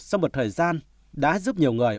sau một thời gian đã giúp nhiều người